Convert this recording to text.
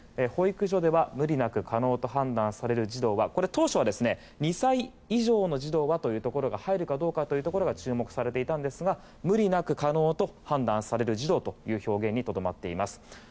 保育所では無理なく可能と判断される児童は当初は２歳以上の児童はが入るかというところが注目されていたんですが無理なく可能と判断される児童はという表現にとどまっています。